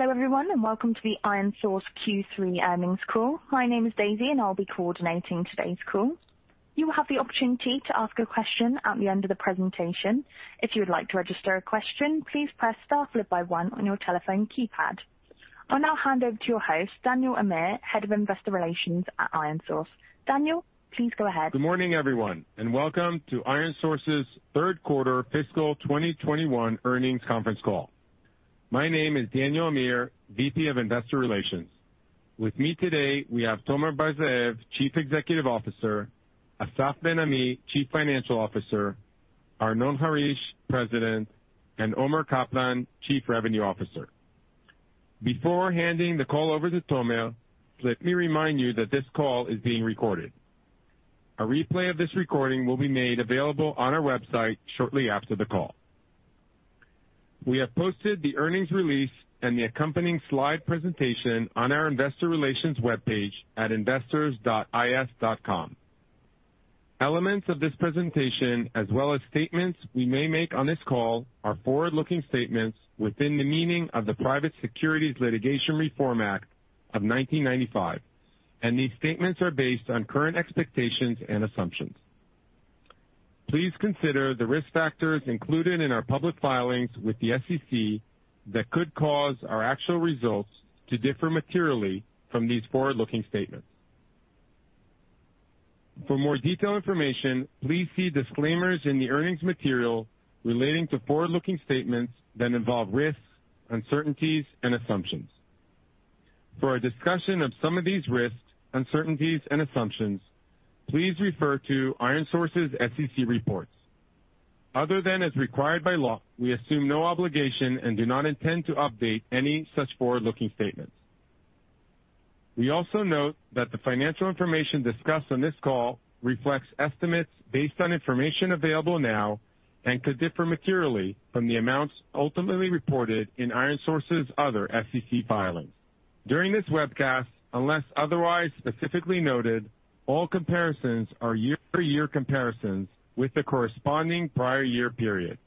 Hello, everyone, and welcome to the ironSource Q3 Earnings Call. My name is Daisy, and I'll be coordinating today's call. You will have the opportunity to ask a question at the end of the presentation. If you would like to register a question, please press star followed by one on your telephone keypad. I'll now hand over to your host, Daniel Amir, Head of Investor Relations at ironSource. Daniel, please go ahead. Good morning, everyone, and welcome to ironSource's third quarter fiscal 2021 earnings conference call. My name is Daniel Amir, VP of Investor Relations. With me today, we have Tomer Bar-Zeev, Chief Executive Officer, Assaf Ben-Ami, Chief Financial Officer, Arnon Harish, President, and Omer Kaplan, Chief Revenue Officer. Before handing the call over to Tomer, let me remind you that this call is being recorded. A replay of this recording will be made available on our website shortly after the call. We have posted the earnings release and the accompanying slide presentation on our investor relations webpage at investors.is.com. Elements of this presentation, as well as statements we may make on this call, are forward-looking statements within the meaning of the Private Securities Litigation Reform Act of 1995, and these statements are based on current expectations and assumptions. Please consider the risk factors included in our public filings with the SEC that could cause our actual results to differ materially from these forward-looking statements. For more detailed information, please see disclaimers in the earnings material relating to forward-looking statements that involve risks, uncertainties, and assumptions. For a discussion of some of these risks, uncertainties, and assumptions, please refer to ironSource's SEC reports. Other than as required by law, we assume no obligation and do not intend to update any such forward-looking statements. We also note that the financial information discussed on this call reflects estimates based on information available now and could differ materially from the amounts ultimately reported in ironSource's other SEC filings. During this webcast, unless otherwise specifically noted, all comparisons are year-to-year comparisons with the corresponding prior year period.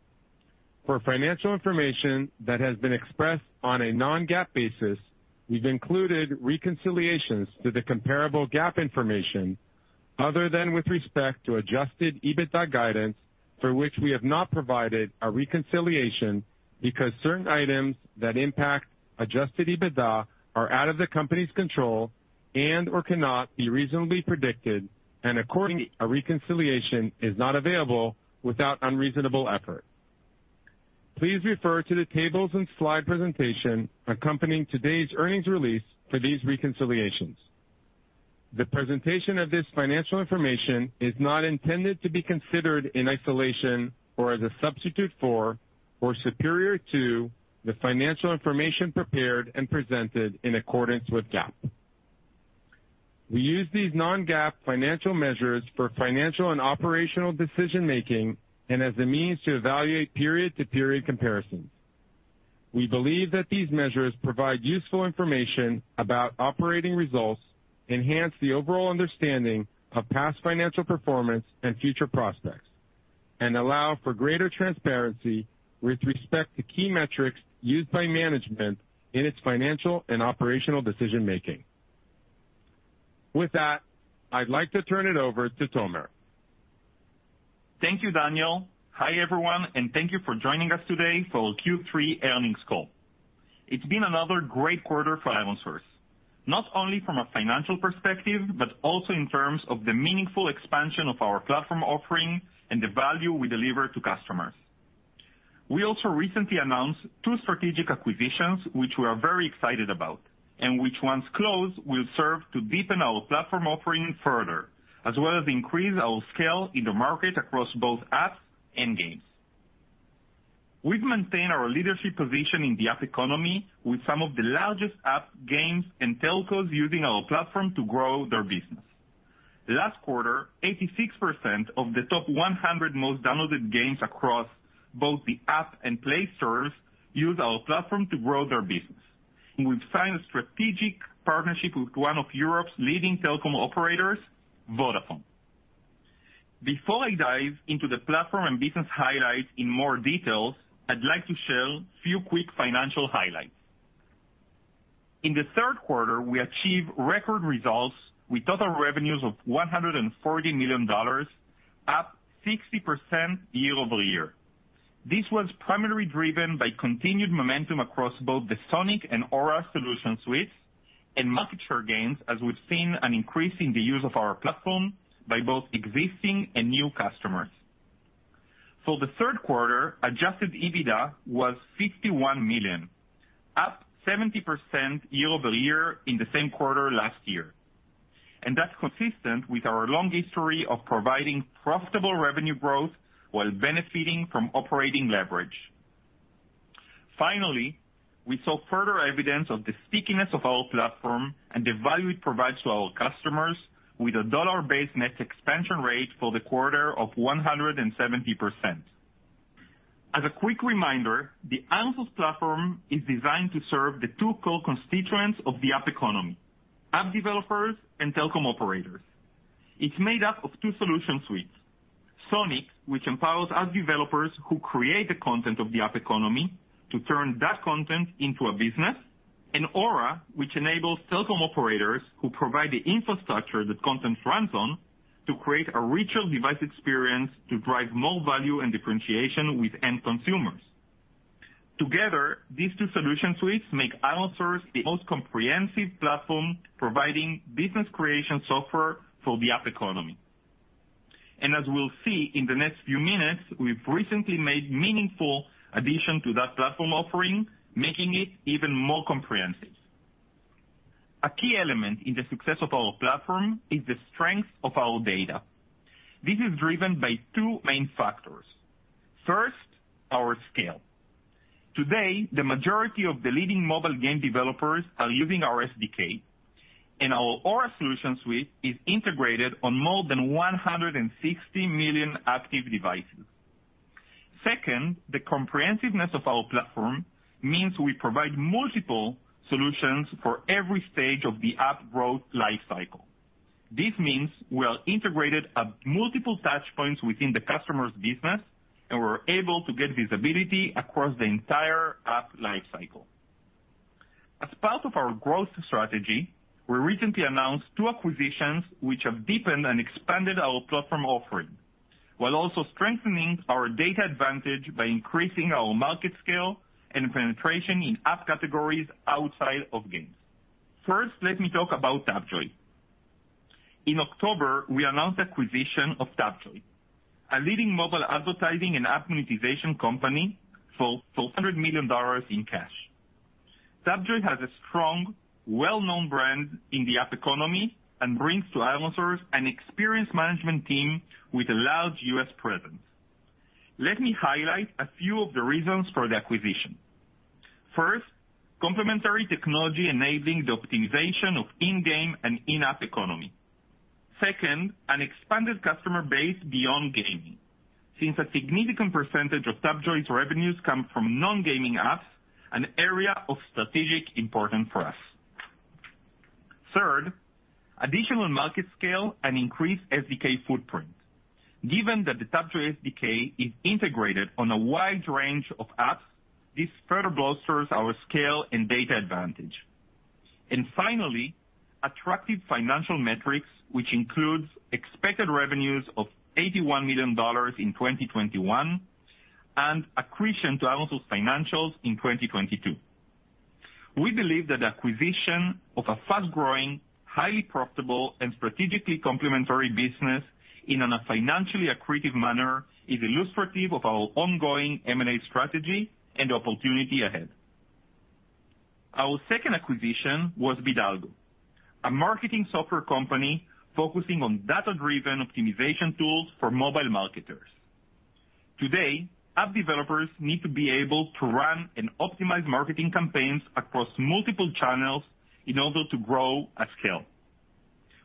For financial information that has been expressed on a non-GAAP basis, we've included reconciliations to the comparable GAAP information other than with respect to adjusted EBITDA guidance for which we have not provided a reconciliation because certain items that impact adjusted EBITDA are out of the company's control and/or cannot be reasonably predicted and accordingly, a reconciliation is not available without unreasonable effort. Please refer to the tables and slide presentation accompanying today's earnings release for these reconciliations. The presentation of this financial information is not intended to be considered in isolation or as a substitute for or superior to the financial information prepared and presented in accordance with GAAP. We use these non-GAAP financial measures for financial and operational decision-making and as a means to evaluate period-to-period comparisons. We believe that these measures provide useful information about operating results, enhance the overall understanding of past financial performance and future prospects, and allow for greater transparency with respect to key metrics used by management in its financial and operational decision-making. With that, I'd like to turn it over to Tomer. Thank you, Daniel. Hi, everyone, and thank you for joining us today for our Q3 earnings call. It's been another great quarter for ironSource, not only from a financial perspective, but also in terms of the meaningful expansion of our platform offering and the value we deliver to customers. We also recently announced two strategic acquisitions, which we are very excited about, and which once closed, will serve to deepen our platform offering further, as well as increase our scale in the market across both apps and games. We've maintained our leadership position in the app economy with some of the largest app games and telcos using our platform to grow their business. Last quarter, 86% of the top 100 most downloaded games across both the App Store and Play Store used our platform to grow their business. We've signed a strategic partnership with one of Europe's leading telecom operators, Vodafone. Before I dive into the platform and business highlights in more details, I'd like to share a few quick financial highlights. In the third quarter, we achieved record results with total revenues of $140 million, up 60% year-over-year. This was primarily driven by continued momentum across both the Sonic and Aura solution suites and market share gains as we've seen an increase in the use of our platform by both existing and new customers. For the third quarter, adjusted EBITDA was $51 million, up 70% year-over-year in the same quarter last year. That's consistent with our long history of providing profitable revenue growth while benefiting from operating leverage. Finally, we saw further evidence of the stickiness of our platform and the value it provides to our customers with a dollar-based net expansion rate for the quarter of 170%. As a quick reminder, the ironSource platform is designed to serve the two core constituents of the app economy, app developers and telecom operators. It's made up of two solution suites: Sonic, which empowers app developers who create the content of the app economy to turn that content into a business, and Aura, which enables telecom operators who provide the infrastructure that content runs on to create a richer device experience to drive more value and differentiation with end consumers. Together, these two solution suites make ironSource the most comprehensive platform providing business creation software for the app economy. As we'll see in the next few minutes, we've recently made meaningful addition to that platform offering, making it even more comprehensive. A key element in the success of our platform is the strength of our data. This is driven by two main factors. First, our scale. Today, the majority of the leading mobile game developers are using our SDK, and our Aura solution suite is integrated on more than 160 million active devices. Second, the comprehensiveness of our platform means we provide multiple solutions for every stage of the app growth life cycle. This means we are integrated at multiple touch points within the customer's business, and we're able to get visibility across the entire app life cycle. As part of our growth strategy, we recently announced two acquisitions which have deepened and expanded our platform offering, while also strengthening our data advantage by increasing our market scale and penetration in app categories outside of games. First, let me talk about Tapjoy. In October, we announced acquisition of Tapjoy, a leading mobile advertising and app monetization company, for $400 million in cash. Tapjoy has a strong well-known brand in the app economy and brings to ironSource an experienced management team with a large U.S. presence. Let me highlight a few of the reasons for the acquisition. First, complementary technology enabling the optimization of in-game and in-app economy. Second, an expanded customer base beyond gaming, since a significant percentage of Tapjoy's revenues come from non-gaming apps, an area of strategic importance for us. Third, additional market scale and increased SDK footprint. Given that the Tapjoy SDK is integrated on a wide range of apps, this further bolsters our scale and data advantage. Finally, attractive financial metrics, which includes expected revenues of $81 million in 2021 and accretion to ironSource financials in 2022. We believe that the acquisition of a fast-growing, highly profitable, and strategically complementary business in a financially accretive manner is illustrative of our ongoing M&A strategy and opportunity ahead. Our second acquisition was Bidalgo, a marketing software company focusing on data-driven optimization tools for mobile marketers. Today, app developers need to be able to run and optimize marketing campaigns across multiple channels in order to grow at scale.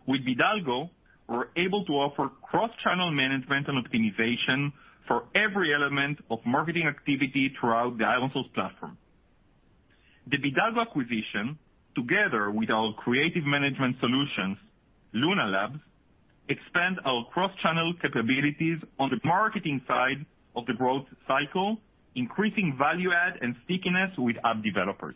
With Bidalgo, we're able to offer cross-channel management and optimization for every element of marketing activity throughout the ironSource platform. The Bidalgo acquisition, together with our creative management solutions, Luna Labs, expand our cross-channel capabilities on the marketing side of the growth cycle, increasing value add and stickiness with app developers.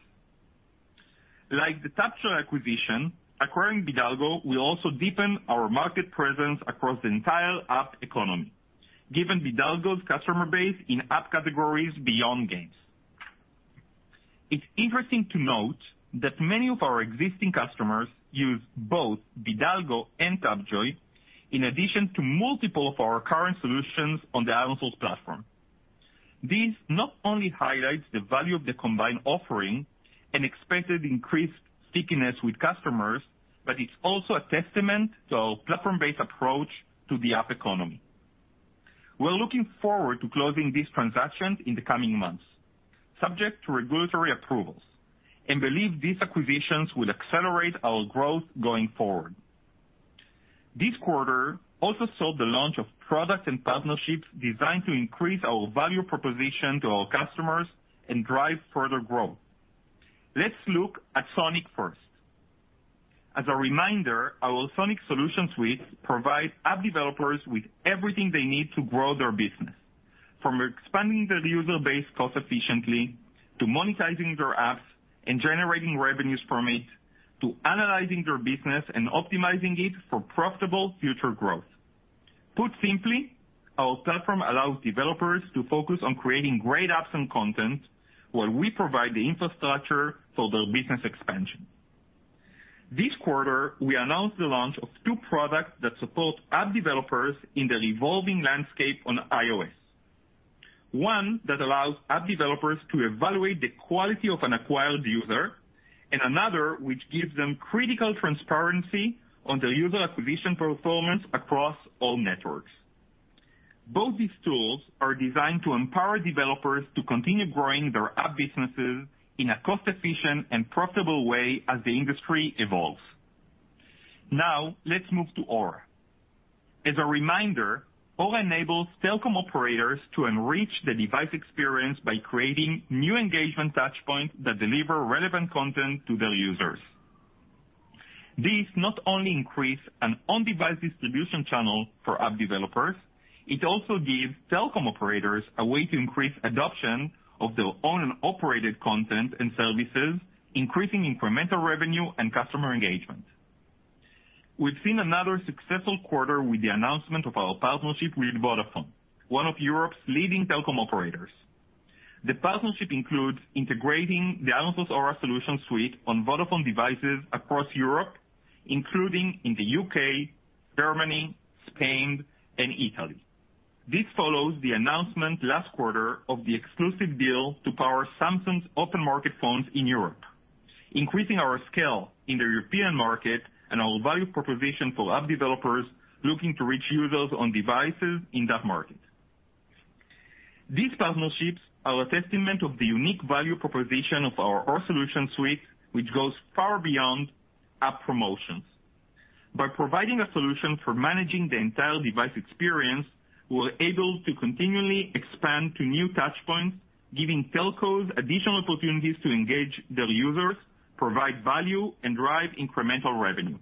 Like the Tapjoy acquisition, acquiring Bidalgo will also deepen our market presence across the entire app economy, given Bidalgo's customer base in app categories beyond games. It's interesting to note that many of our existing customers use both Bidalgo and Tapjoy in addition to multiple of our current solutions on the ironSource platform. This not only highlights the value of the combined offering and expected increased stickiness with customers, but it's also a testament to our platform-based approach to the app economy. We're looking forward to closing these transactions in the coming months, subject to regulatory approvals, and believe these acquisitions will accelerate our growth going forward. This quarter also saw the launch of products and partnerships designed to increase our value proposition to our customers and drive further growth. Let's look at Sonic first. As a reminder, our Sonic solution suites provide app developers with everything they need to grow their business, from expanding their user base cost efficiently to monetizing their apps and generating revenues from it, to analyzing their business and optimizing it for profitable future growth. Put simply, our platform allows developers to focus on creating great apps and content while we provide the infrastructure for their business expansion. This quarter, we announced the launch of two products that support app developers in the evolving landscape on iOS. One that allows app developers to evaluate the quality of an acquired user, and another which gives them critical transparency on their user acquisition performance across all networks. Both these tools are designed to empower developers to continue growing their app businesses in a cost-efficient and profitable way as the industry evolves. Now let's move to Aura. As a reminder, Aura enables telco operators to enrich the device experience by creating new engagement touch points that deliver relevant content to their users. This not only increase an on-device distribution channel for app developers, it also gives telco operators a way to increase adoption of their own and operated content and services, increasing incremental revenue and customer engagement. We've seen another successful quarter with the announcement of our partnership with Vodafone, one of Europe's leading telecom operators. The partnership includes integrating the Aura solution suite on Vodafone devices across Europe, including in the U.K., Germany, Spain, and Italy. This follows the announcement last quarter of the exclusive deal to power Samsung's open market phones in Europe, increasing our scale in the European market and our value proposition for app developers looking to reach users on devices in that market. These partnerships are a testament of the unique value proposition of our Aura solution suite, which goes far beyond app promotions. By providing a solution for managing the entire device experience, we're able to continually expand to new touch points, giving telcos additional opportunities to engage their users, provide value, and drive incremental revenue.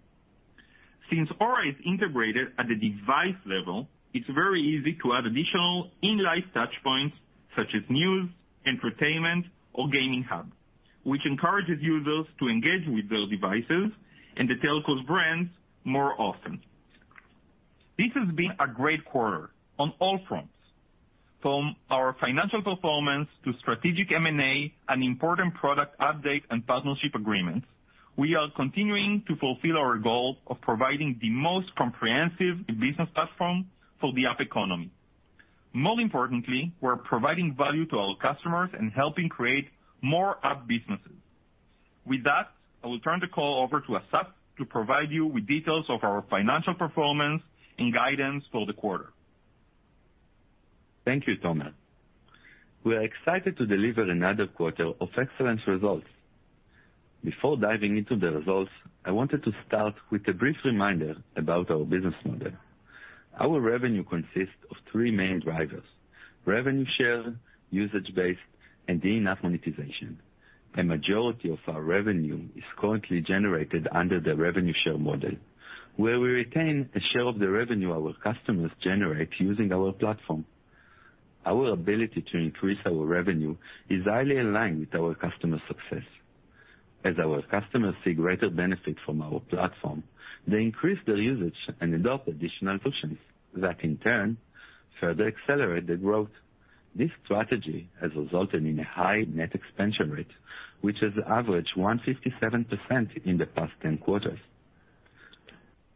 Since Aura is integrated at the device level, it's very easy to add additional in-life touch points such as news, entertainment, or gaming hub, which encourages users to engage with their devices and the telcos' brands more often. This has been a great quarter on all fronts, from our financial performance to strategic M&A and important product updates and partnership agreements. We are continuing to fulfill our goal of providing the most comprehensive business platform for the app economy. Most importantly, we're providing value to our customers and helping create more app businesses. With that, I will turn the call over to Assaf to provide you with details of our financial performance and guidance for the quarter. Thank you, Tomer. We are excited to deliver another quarter of excellent results. Before diving into the results, I wanted to start with a brief reminder about our business model. Our revenue consists of three main drivers, revenue share, usage-based, and in-app monetization. A majority of our revenue is currently generated under the revenue share model, where we retain a share of the revenue our customers generate using our platform. Our ability to increase our revenue is highly aligned with our customer success. As our customers see greater benefit from our platform, they increase their usage and adopt additional functions that in turn further accelerate their growth. This strategy has resulted in a high net expansion rate, which has averaged 157% in the past 10 quarters.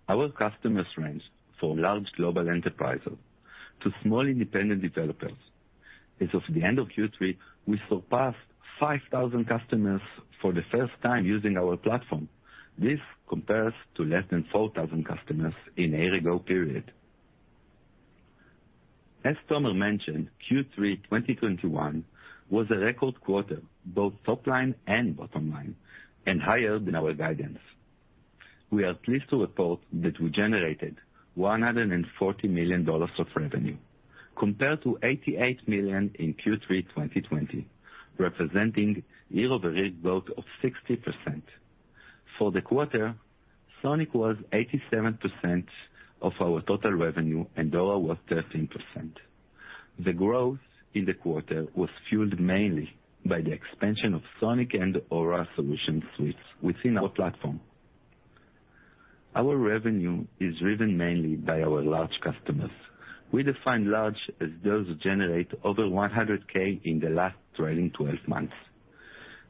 Our customers range from large global enterprises to small independent developers. As of the end of Q3, we surpassed 5,000 customers for the first time using our platform. This compares to less than 4,000 customers in a year ago period. As Tomer mentioned, Q3 2021 was a record quarter, both top line and bottom line, and higher than our guidance. We are pleased to report that we generated $140 million of revenue, compared to $88 million in Q3 2020, representing year-over-year growth of 60%. For the quarter, Sonic was 87% of our total revenue, and Aura was 13%. The growth in the quarter was fueled mainly by the expansion of Sonic and Aura solution suites within our platform. Our revenue is driven mainly by our large customers. We define large as those who generate over $100,000 in the last trailing twelve months.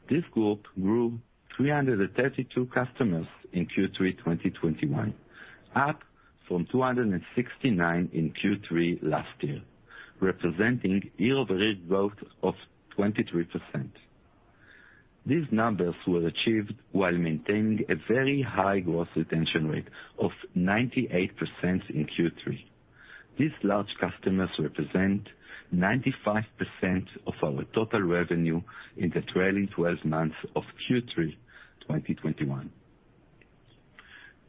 This group grew 332 customers in Q3 2021, up from 269 in Q3 last year, representing year-over-year growth of 23%. These numbers were achieved while maintaining a very high gross retention rate of 98% in Q3. These large customers represent 95% of our total revenue in the trailing twelve months of Q3 2021.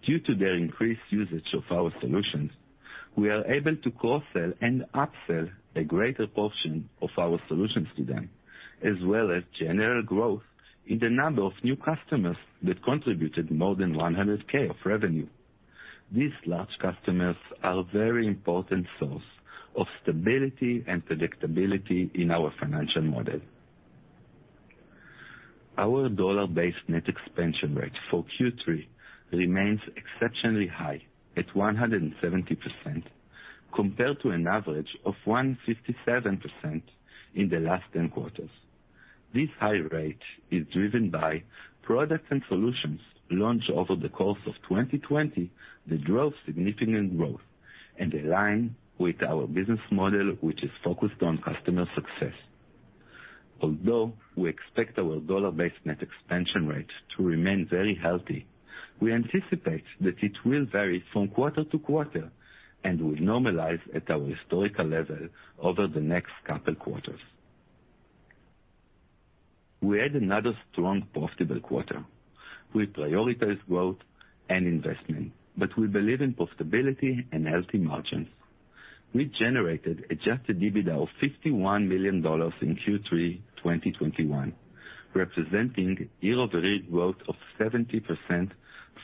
Due to their increased usage of our solutions, we are able to cross-sell and up-sell a greater portion of our solutions to them, as well as general growth in the number of new customers that contributed more than $100,000 of revenue. These large customers are a very important source of stability and predictability in our financial model. Our dollar-based net expansion rate for Q3 remains exceptionally high at 170% compared to an average of 157% in the last ten quarters. This high rate is driven by product and solutions launched over the course of 2020 that drove significant growth and align with our business model, which is focused on customer success. Although we expect our dollar-based net expansion rate to remain very healthy, we anticipate that it will vary from quarter to quarter and will normalize at our historical level over the next couple quarters. We had another strong, profitable quarter. We prioritize growth and investment, but we believe in profitability and healthy margins. We generated adjusted EBITDA of $51 million in Q3 2021, representing year-over-year growth of 70%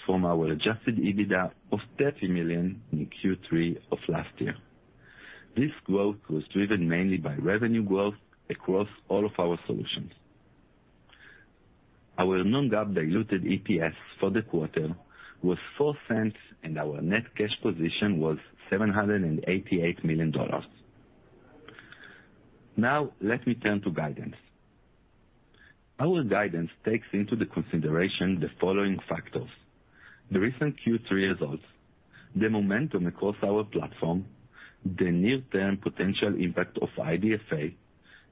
from our adjusted EBITDA of $30 million in Q3 of last year. This growth was driven mainly by revenue growth across all of our solutions. Our non-GAAP diluted EPS for the quarter was $0.04, and our net cash position was $788 million. Now let me turn to guidance. Our guidance takes into consideration the following factors. The recent Q3 results, the momentum across our platform, the near-term potential impact of IDFA,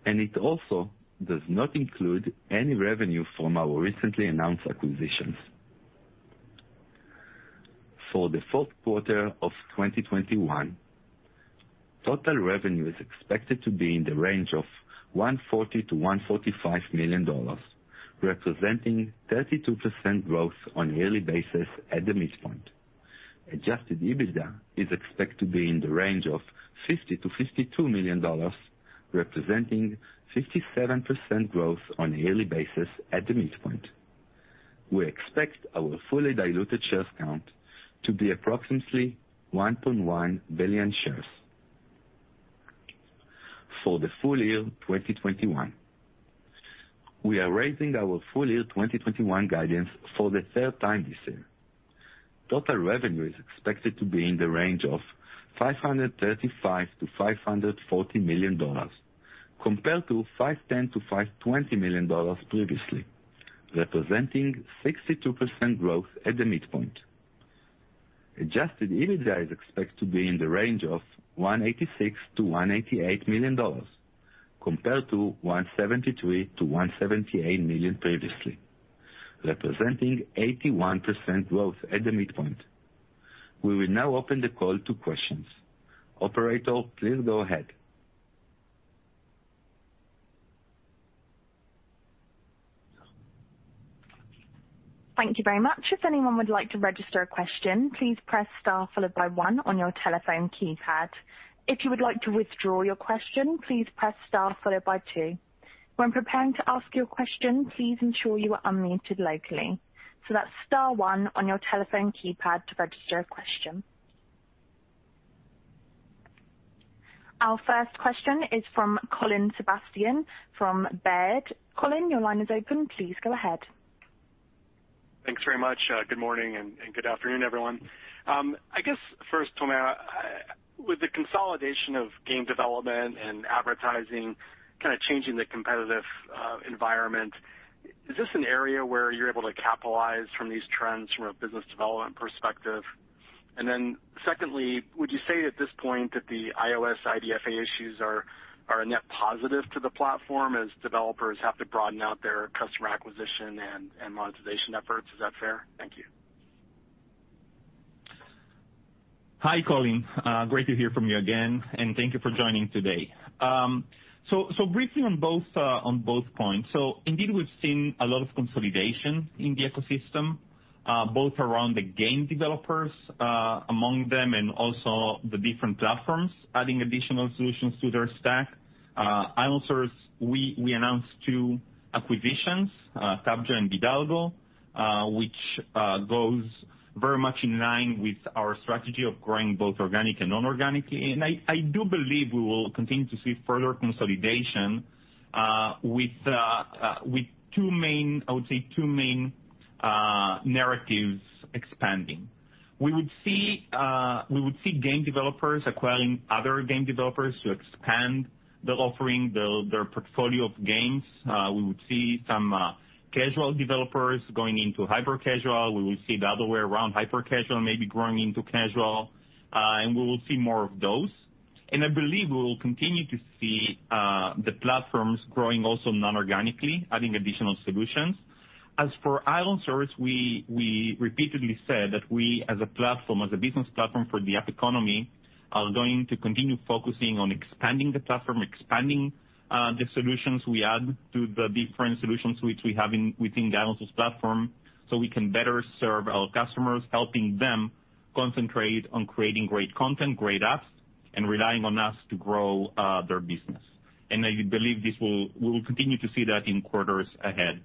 and it also does not include any revenue from our recently announced acquisitions. For the fourth quarter of 2021, total revenue is expected to be in the range of $140 million-$145 million, representing 32% growth on a yearly basis at the midpoint. Adjusted EBITDA is expected to be in the range of $50 million-$52 million, representing 57% growth on a yearly basis at the midpoint. We expect our fully diluted share count to be approximately 1.1 billion shares. For the full year 2021, we are raising our full year 2021 guidance for the third time this year. Total revenue is expected to be in the range of $535 million-$540 million, compared to $510 million-$520 million previously, representing 62% growth at the midpoint. Adjusted EBITDA is expected to be in the range of $186 million-$188 million, compared to $173 million-$178 million previously, representing 81% growth at the midpoint. We will now open the call to questions. Operator, please go ahead. Thank you very much. If anyone would like to register a question, please press star followed by one on your telephone keypad. If you would like to withdraw your question, please press star followed by two. When preparing to ask your question, please ensure you are unmuted locally. That's star one on your telephone keypad to register a question. Our first question is from Colin Sebastian from Baird. Colin, your line is open. Please go ahead. Thanks very much. Good morning and good afternoon, everyone. I guess first, Tomer, with the consolidation of game development and advertising kind of changing the competitive environment, is this an area where you're able to capitalize from these trends from a business development perspective? Secondly, would you say at this point that the iOS IDFA issues are a net positive to the platform as developers have to broaden out their customer acquisition and monetization efforts? Is that fair? Thank you. Hi, Colin. Great to hear from you again, and thank you for joining today. Briefly on both points. Indeed, we've seen a lot of consolidation in the ecosystem, both around the game developers, among them and also the different platforms adding additional solutions to their stack. ironSource, we announced two acquisitions, Tapjoy and Bidalgo, which goes very much in line with our strategy of growing both organic and non-organically. I do believe we will continue to see further consolidation, with two main narratives expanding. We would see game developers acquiring other game developers to expand the offering, their portfolio of games. We would see some casual developers going into hyper casual. We will see the other way around, hyper-casual maybe growing into casual, and we will see more of those. I believe we will continue to see the platforms growing also non-organically, adding additional solutions. As for ironSource, we repeatedly said that we as a platform, as a business platform for the app economy, are going to continue focusing on expanding the platform, expanding the solutions we add to the different solutions which we have within the ironSource platform, so we can better serve our customers, helping them concentrate on creating great content, great apps, and relying on us to grow their business. I believe we will continue to see that in quarters ahead.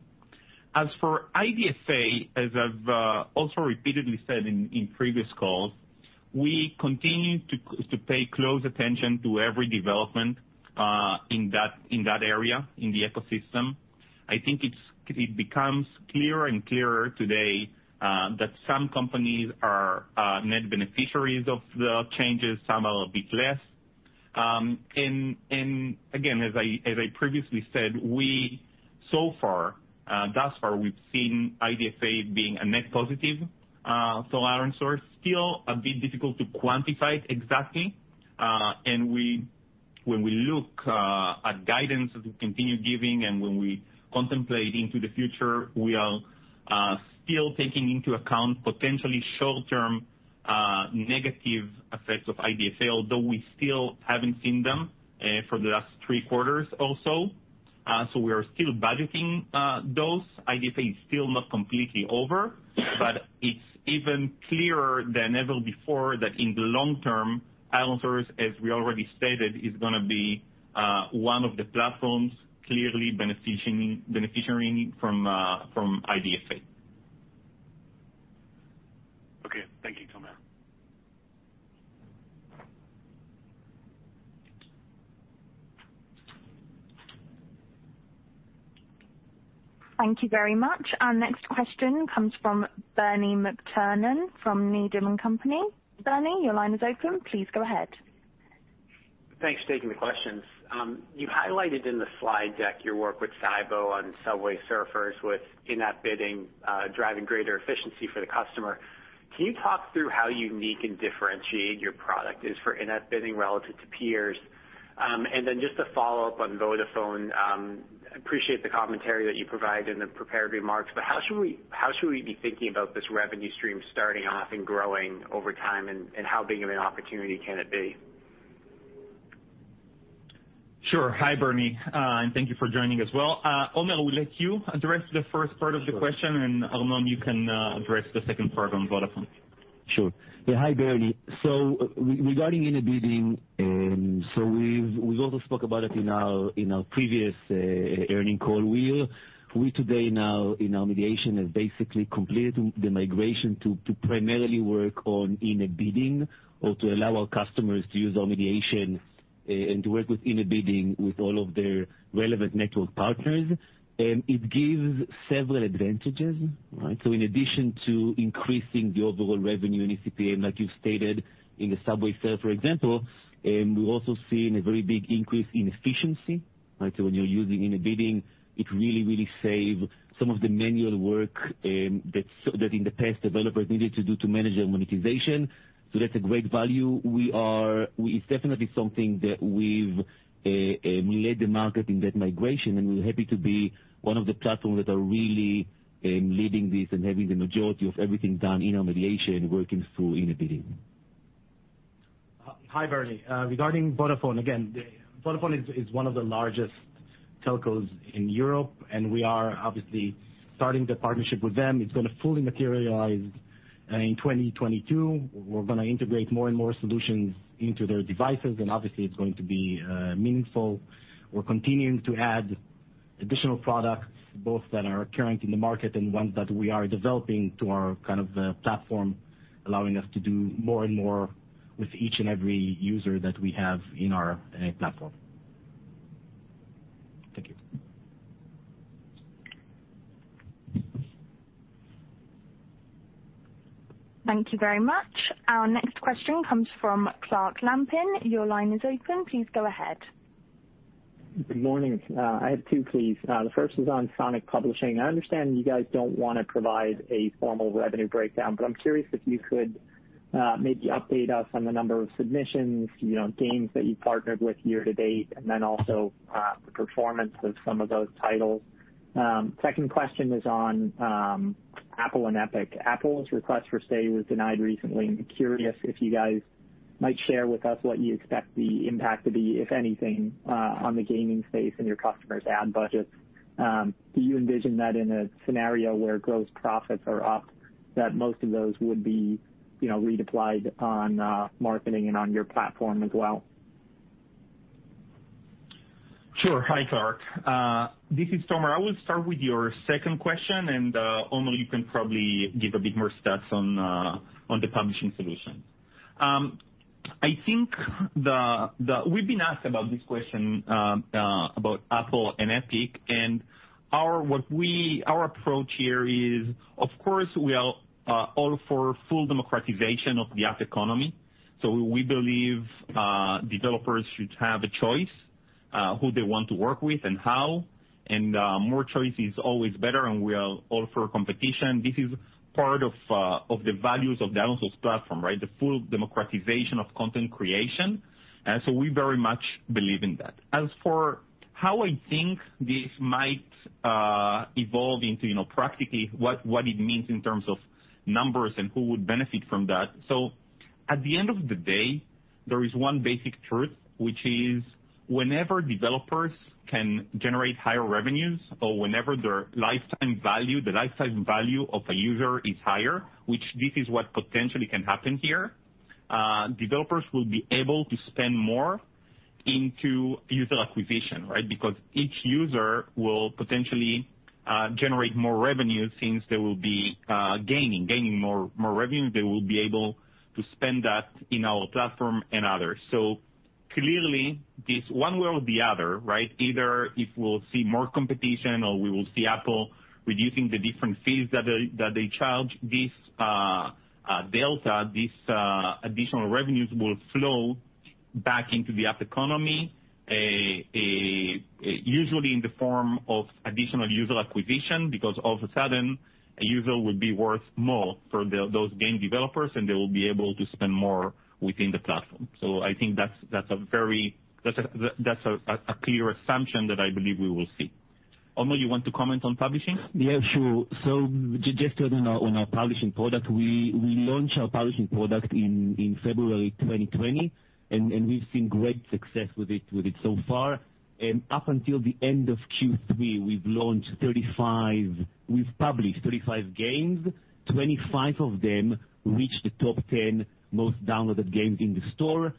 As for IDFA, as I've also repeatedly said in previous calls, we continue to pay close attention to every development in that area in the ecosystem. I think it becomes clearer and clearer today that some companies are net beneficiaries of the changes, some are a bit less. Again, as I previously said, we've so far seen IDFA being a net positive, so for ironSource it's still a bit difficult to quantify it exactly. When we look at guidance as we continue giving and when we contemplate into the future, we are still taking into account potentially short-term negative effects of IDFA, although we still haven't seen them for the last three quarters or so. We are still budgeting those. IDFA is still not completely over, but it's even clearer than ever before that in the long term, ironSource, as we already stated, is gonna be one of the platforms clearly benefiting from IDFA. Okay. Thank you, Tomer. Thank you very much. Our next question comes from Bernie McTernan from Needham & Company. Bernie, your line is open. Please go ahead. Thanks for taking the questions. You highlighted in the slide deck your work with SYBO on Subway Surfers with in-app bidding, driving greater efficiency for the customer. Can you talk through how unique and differentiated your product is for in-app bidding relative to peers? Then just to follow up on Vodafone, appreciate the commentary that you provided in the prepared remarks, but how should we be thinking about this revenue stream starting off and growing over time, and how big of an opportunity can it be? Sure. Hi, Bernie, and thank you for joining as well. Omer, I will let you address the first part of the question. Sure. Arnon, you can address the second part on Vodafone. Sure. Yeah, hi, Bernie. Regarding in-app bidding, we've also spoke about it in our previous earnings call. We today now in our mediation have basically completed the migration to primarily work on in-app bidding or to allow our customers to use our mediation and to work with in-app bidding with all of their relevant network partners. It gives several advantages, right? In addition to increasing the overall revenue and eCPM, like you stated in the Subway Surfers example, we're also seeing a very big increase in efficiency, right? When you're using in-app bidding, it really save some of the manual work that in the past developers needed to do to manage their monetization. That's a great value. It's definitely something that we've led the market in that migration, and we're happy to be one of the platforms that are really leading this and having the majority of everything done in our mediation working through in-app bidding. Hi, Bernie. Regarding Vodafone, again, Vodafone is one of the largest telcos in Europe, and we are obviously starting the partnership with them. It's gonna fully materialize in 2022. We're gonna integrate more and more solutions into their devices, and obviously, it's going to be meaningful. We're continuing to add additional products, both that are current in the market and ones that we are developing to our platform, allowing us to do more and more with each and every user that we have in our platform. Thank you. Thank you very much. Our next question comes from Clark Lampen. Your line is open. Please go ahead. Good morning. I have two, please. The first is on Sonic Publishing. I understand you guys don't wanna provide a formal revenue breakdown, but I'm curious if you could maybe update us on the number of submissions, you know, games that you've partnered with year to date, and then also the performance of some of those titles. Second question is on Apple and Epic. Apple's request for stay was denied recently. I'm curious if you guys might share with us what you expect the impact to be, if anything, on the gaming space and your customers' ad budgets. Do you envision that in a scenario where gross profits are up, that most of those would be, you know, reapplied on marketing and on your platform as well? Sure. Hi, Clark. This is Tomer. I will start with your second question, and Omer, you can probably give a bit more stats on the publishing solution. I think. We've been asked about this question about Apple and Epic, and our approach here is, of course, we are all for full democratization of the app economy. We believe developers should have a choice who they want to work with and how, and more choice is always better, and we are all for competition. This is part of the values of the ironSource platform, right? The full democratization of content creation. We very much believe in that. As for how I think this might evolve into, you know, practically, what it means in terms of numbers and who would benefit from that. At the end of the day, there is one basic truth, which is whenever developers can generate higher revenues or whenever their lifetime value of a user is higher, which is what potentially can happen here, developers will be able to spend more into user acquisition, right? Because each user will potentially generate more revenue since they will be gaining more revenue. They will be able to spend that in our platform and others. Clearly, this one way or the other, right? Either if we'll see more competition or we will see Apple reducing the different fees that they charge, this delta, this additional revenues will flow back into the app economy, usually in the form of additional user acquisition. Because all of a sudden, a user will be worth more for those game developers, and they will be able to spend more within the platform. I think that's a very clear assumption that I believe we will see. Omer, you want to comment on publishing? Yeah, sure. Just adding on our publishing product, we launched our publishing product in February 2020, and we've seen great success with it so far. Up until the end of Q3, we've published 35 games. 25 of them reached the top 10 most downloaded games in the store.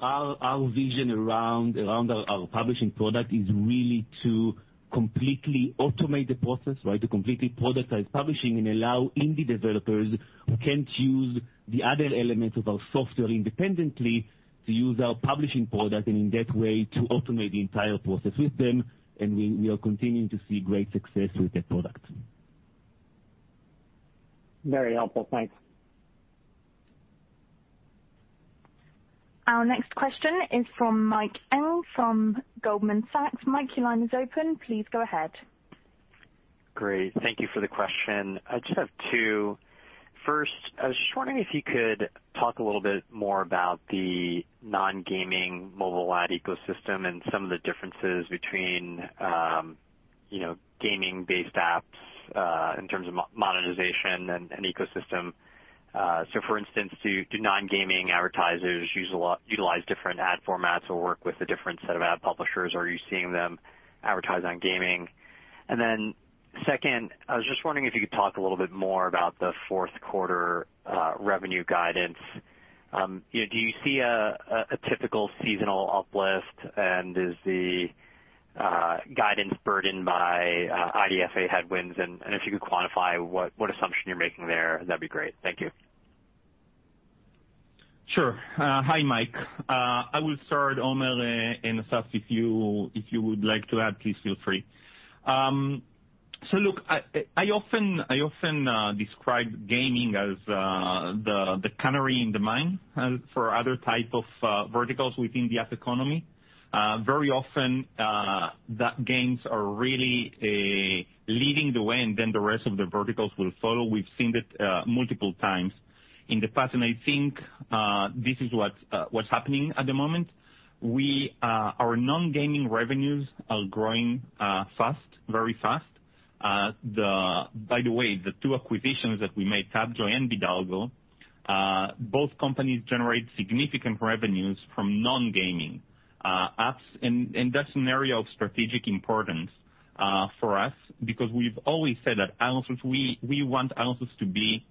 Our vision around our publishing product is really to completely automate the process, right? To completely productize publishing and allow indie developers who can't use the other elements of our software independently to use our publishing product, and in that way, to automate the entire process with them, and we are continuing to see great success with the product. Very helpful. Thanks. Our next question is from Mike Ng from Goldman Sachs. Mike, your line is open. Please go ahead. Great. Thank you for the question. I just have two. First, I was just wondering if you could talk a little bit more about the non-gaming mobile ad ecosystem and some of the differences between, you know, gaming-based apps, in terms of monetization and ecosystem. So for instance, do non-gaming advertisers utilize different ad formats or work with a different set of ad publishers, or are you seeing them advertise on gaming? Second, I was just wondering if you could talk a little bit more about the fourth quarter revenue guidance. You know, do you see a typical seasonal uplift, and is the guidance burdened by IDFA headwinds? And if you could quantify what assumption you're making there, that'd be great. Thank you. Sure. Hi, Mike. I will start, Omer and Assaf, if you would like to add, please feel free. So look, I often describe gaming as the canary in the mine for other type of verticals within the app economy. Very often, the games are really leading the way, and then the rest of the verticals will follow. We've seen that multiple times in the past, and I think this is what's happening at the moment. Our non-gaming revenues are growing fast, very fast. By the way, the two acquisitions that we made, Tapjoy and Bidalgo, both companies generate significant revenues from non-gaming apps. That's an area of strategic importance for us because we've always said at ironSource, we want ironSource to be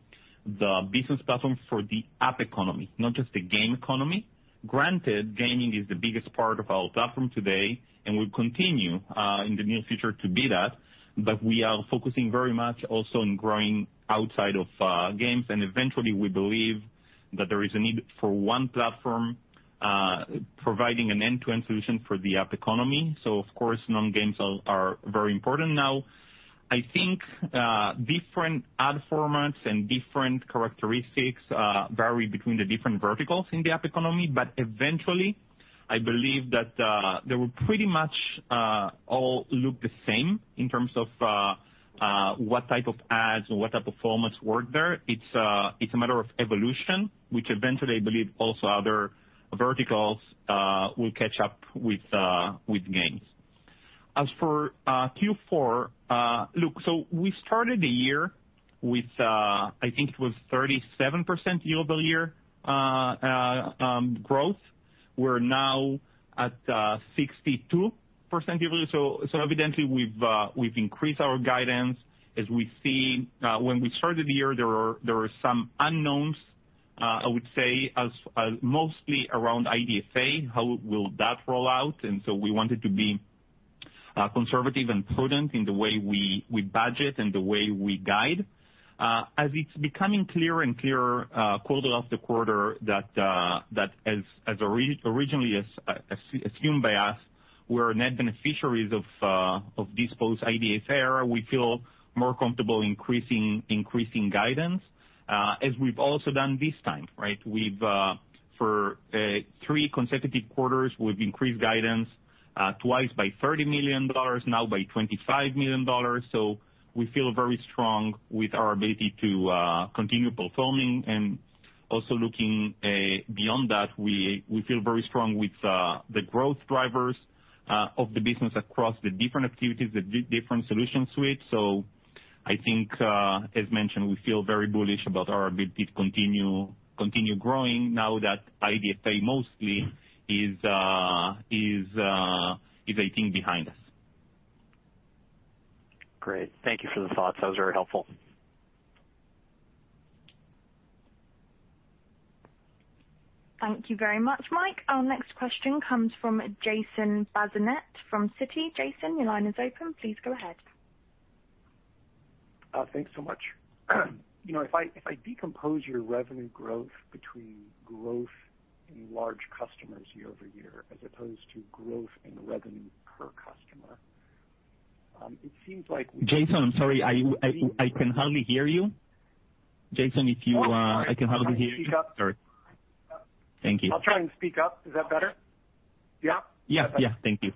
the business platform for the app economy, not just the game economy. Granted, gaming is the biggest part of our platform today and will continue in the near future to be that, but we are focusing very much also on growing outside of games. Eventually, we believe that there is a need for one platform providing an end-to-end solution for the app economy. Of course, non-games are very important now. I think different ad formats and different characteristics vary between the different verticals in the app economy. Eventually, I believe that they will pretty much all look the same in terms of what type of ads or what type of formats work there. It's a matter of evolution, which eventually I believe also other verticals will catch up with games. As for Q4, look, we started the year with, I think it was 37% year-over-year growth. We're now at 62% year-over-year. Evidently we've increased our guidance as we see. When we started the year, there were some unknowns, I would say as mostly around IDFA, how will that roll out? We wanted to be conservative and prudent in the way we budget and the way we guide. As it's becoming clearer and clearer quarter-over-quarter that as originally assumed by us, we're net beneficiaries of this post-IDFA era. We feel more comfortable increasing guidance as we've also done this time, right? We've for three consecutive quarters we've increased guidance twice by $30 million, now by $25 million. We feel very strong with our ability to continue performing and also looking beyond that, we feel very strong with the growth drivers of the business across the different activities, the different solution suites. I think as mentioned, we feel very bullish about our ability to continue growing now that IDFA mostly is, I think, behind us. Great. Thank you for the thoughts. That was very helpful. Thank you very much, Mike. Our next question comes from Jason Bazinet from Citi. Jason, your line is open. Please go ahead. Thanks so much. You know, if I decompose your revenue growth between growth in large customers year over year, as opposed to growth in revenue per customer, it seems like. Jason, I'm sorry. I can hardly hear you. Jason, if you... Oh. I can hardly hear you. Sorry. Thank you. I'll try and speak up. Is that better? Yeah? Yeah, yeah. Thank you.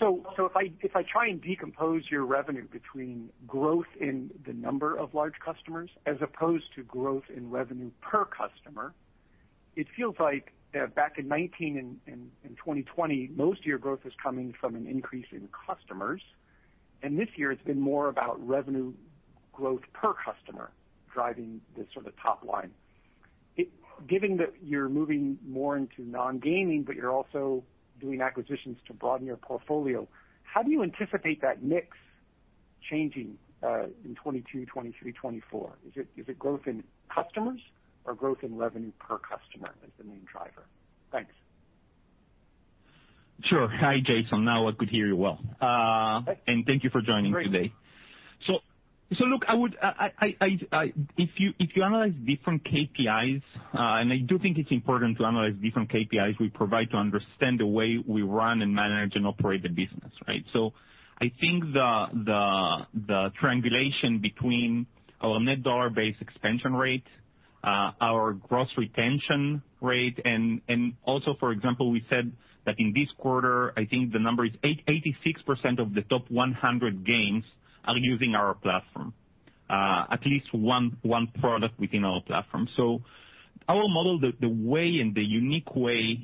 If I try and decompose your revenue between growth in the number of large customers as opposed to growth in revenue per customer. It feels like back in 2019 and in 2020, most of your growth is coming from an increase in customers, and this year it's been more about revenue growth per customer driving the sort of top line. Given that you're moving more into non-gaming, but you're also doing acquisitions to broaden your portfolio, how do you anticipate that mix changing in 2022, 2023, 2024? Is it growth in customers or growth in revenue per customer as the main driver? Thanks. Sure. Hi, Jason. Now I could hear you well. Great. Thank you for joining today. Look, if you analyze different KPIs, and I do think it's important to analyze different KPIs we provide to understand the way we run and manage and operate the business, right? I think the triangulation between our net dollar-based expansion rate, our gross retention rate and also, for example, we said that in this quarter, I think the number is 86% of the top 100 games are using our platform, at least one product within our platform. Our model, the way and the unique way,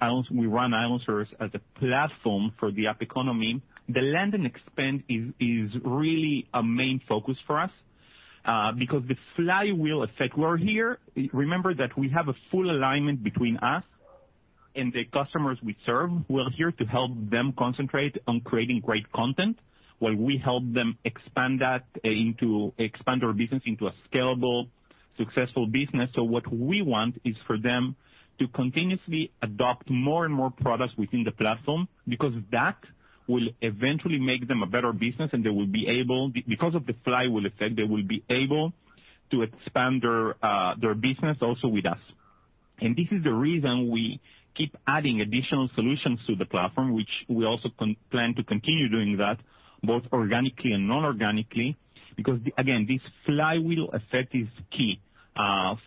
ironSource. We run ironSource as a platform for the app economy. The land and expand is really a main focus for us because the flywheel effect we are here. Remember that we have a full alignment between us and the customers we serve. We're here to help them concentrate on creating great content while we help them expand our business into a scalable, successful business. What we want is for them to continuously adopt more and more products within the platform because that will eventually make them a better business and they will be able because of the flywheel effect, they will be able to expand their business also with us. This is the reason we keep adding additional solutions to the platform, which we also plan to continue doing that both organically and non-organically. Because again, this flywheel effect is key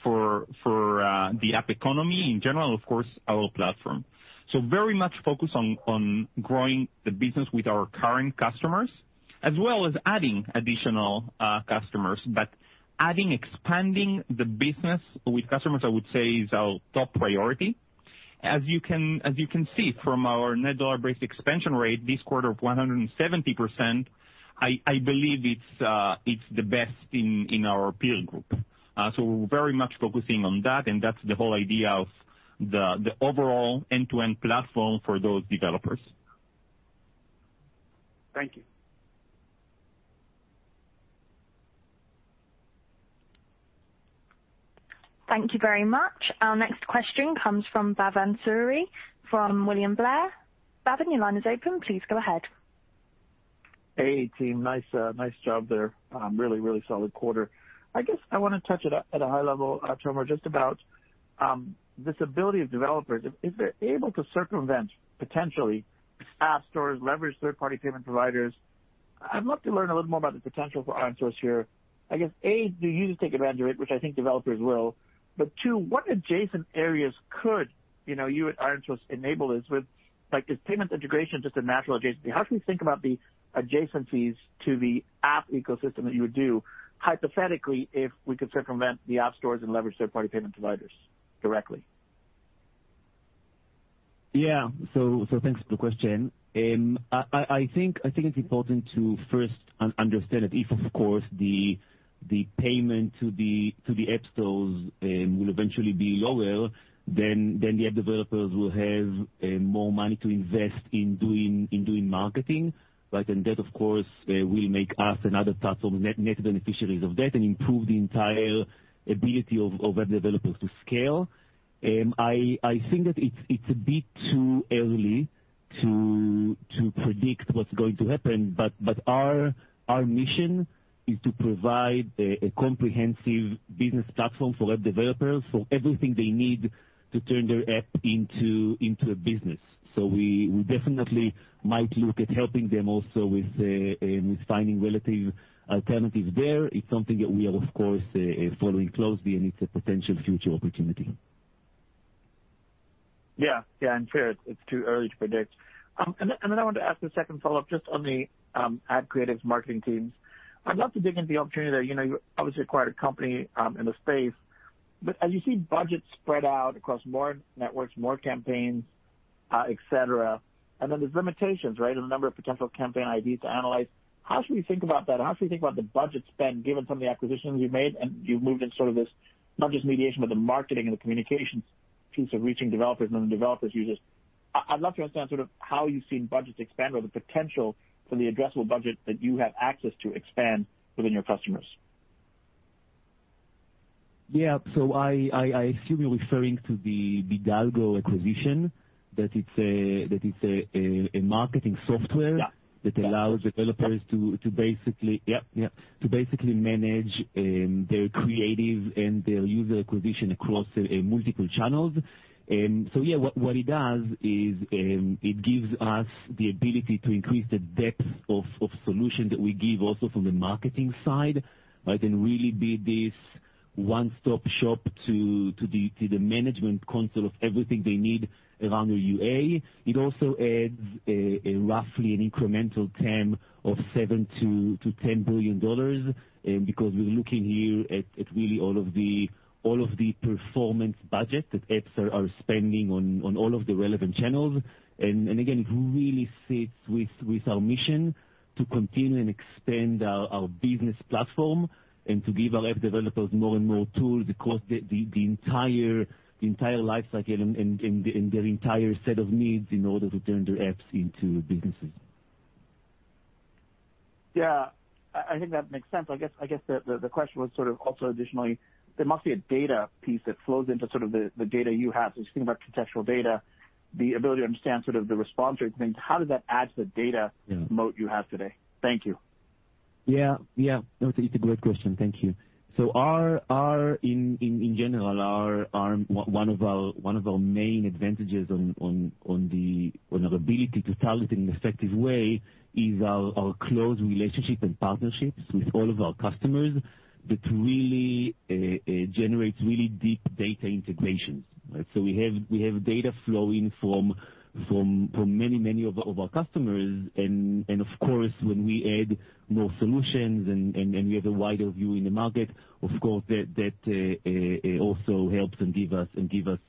for the app economy in general, of course, our platform. Very much focused on growing the business with our current customers as well as adding additional customers. Adding, expanding the business with customers, I would say is our top priority. As you can see from our net dollar-based expansion rate this quarter of 170%, I believe it's the best in our peer group. We're very much focusing on that, and that's the whole idea of the overall end-to-end platform for those developers. Thank you. Thank you very much. Our next question comes from Bhavan Suri from William Blair. Bhavan, your line is open. Please go ahead. Hey, team. Nice job there. Really solid quarter. I guess I want to touch on it at a high level, Tomer, just about this ability of developers if they're able to circumvent potentially app stores, leverage third-party payment providers. I'd love to learn a little more about the potential for ironSource here. I guess, A, do you take advantage of it, which I think developers will, but two, what adjacent areas could you at ironSource enable this with? Like, is payments integration just a natural adjacency? How should we think about the adjacencies to the app ecosystem that you would do hypothetically if we could circumvent the app stores and leverage third-party payment providers directly? Yeah. Thanks for the question. I think it's important to first understand that if, of course, the payment to the app stores will eventually be lower, then the app developers will have more money to invest in doing marketing, right? That of course will make us, as a platform, net beneficiaries of that and improve the entire ability of app developers to scale. I think that it's a bit too early to predict what's going to happen, but our mission is to provide a comprehensive business platform for app developers for everything they need to turn their app into a business. We definitely might look at helping them also with finding relevant alternatives there. It's something that we are of course, following closely and it's a potential future opportunity. Yeah. Yeah, and fair. It's too early to predict. I wanted to ask the second follow-up just on the ad creative marketing teams. I'd love to dig into the opportunity there. You know, you obviously acquired a company in the space, but as you see budgets spread out across more networks, more campaigns, et cetera, and then there's limitations, right? On the number of potential campaign IDs to analyze. How should we think about that? How should we think about the budget spend given some of the acquisitions you've made and you've moved in sort of this not just mediation, but the marketing and the communications piece of reaching developers and the developers' users? I'd love to understand sort of how you've seen budgets expand or the potential for the addressable budget that you have access to expand within your customers. Yeah. I assume you're referring to the Bidalgo acquisition. That it's a marketing software- Yeah. that allows developers to basically Yeah. Yeah. To basically manage their creative and their user acquisition across multiple channels. What it does is it gives us the ability to increase the depth of solution that we give also from the marketing side, right? Really be this one-stop shop to the management console of everything they need around the UA. It also adds roughly an incremental TAM of $7 billion-$10 billion because we're looking here at really all of the performance budget that apps are spending on all of the relevant channels. Again, it really fits with our mission to continue and expand our business platform and to give our app developers more and more tools across the entire lifecycle and their entire set of needs in order to turn their apps into businesses. Yeah, I think that makes sense. I guess the question was sort of also additionally, there must be a data piece that flows into sort of the data you have. Just think about contextual data, the ability to understand sort of the responder things. How does that add to the data? Yeah. What moat do you have today? Thank you. Yeah. No, it's a great question. Thank you. So in general, one of our main advantages on our ability to target in an effective way is our close relationship and partnerships with all of our customers that really generates really deep data integrations, right? So we have data flowing from many of our customers. Of course, when we add more solutions and we have a wider view in the market, of course that also helps and give us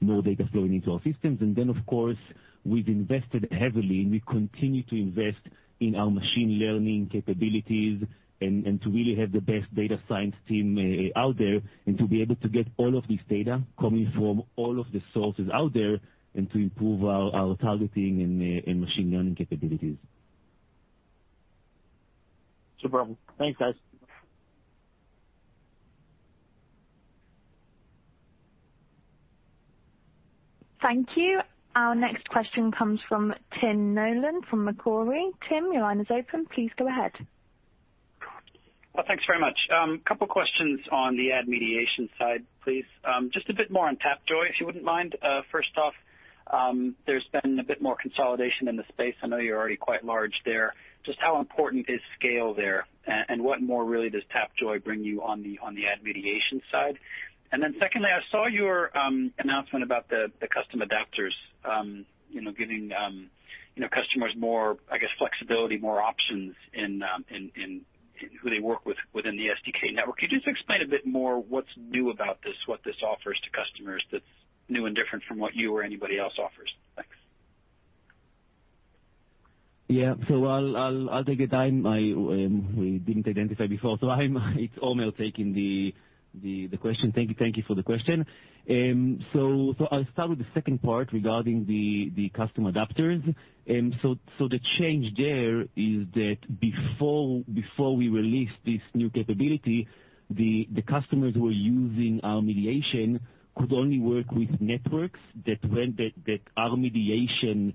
more data flowing into our systems. Of course, we've invested heavily, and we continue to invest in our machine learning capabilities and to really have the best data science team out there, and to be able to get all of this data coming from all of the sources out there and to improve our targeting and machine learning capabilities. Superb. Thanks, guys. Thank you. Our next question comes from Tim Nollen from Macquarie. Tim, your line is open. Please go ahead. Well, thanks very much. A couple questions on the ad mediation side, please. Just a bit more on Tapjoy, if you wouldn't mind. First off, there's been a bit more consolidation in the space. I know you're already quite large there. Just how important is scale there? What more really does Tapjoy bring you on the ad mediation side? Secondly, I saw your announcement about the custom adapters, you know, giving you know, customers more, I guess, flexibility, more options in who they work with within the SDK network. Could you just explain a bit more what's new about this, what this offers to customers that's new and different from what you or anybody else offers? Thanks. Yeah. So I'll take it. We didn't identify before. It's Omer taking the question. Thank you for the question. I'll start with the second part regarding the custom adapters. The change there is that before we released this new capability, the customers who were using our mediation could only work with networks that our mediation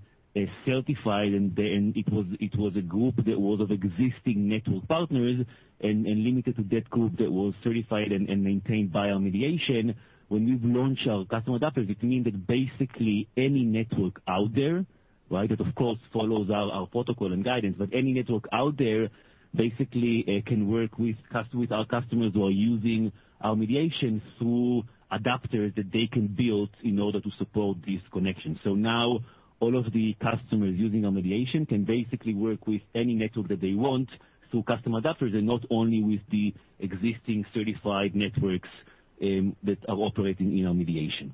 certified. It was a group of existing network partners and limited to that group that was certified and maintained by our mediation. When we've launched our custom adapters, it means that basically any network out there, right? That, of course, follows our protocol and guidance. Any network out there basically can work with our customers who are using our mediation through adapters that they can build in order to support these connections. Now all of the customers using our mediation can basically work with any network that they want through custom adapters and not only with the existing certified networks that are operating in our mediation.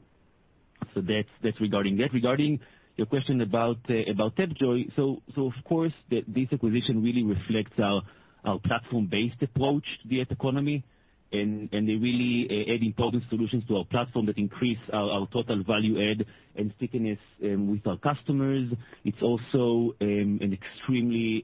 That's regarding that. Regarding your question about Tapjoy. Of course this acquisition really reflects our platform-based approach to the app economy and really adding product solutions to our platform that increase our total value add and stickiness with our customers. It's also an extremely